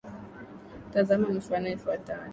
Tazama mifano ifuatayo;